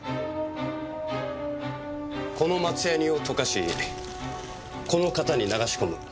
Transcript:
この松ヤニを溶かしこの型に流し込む。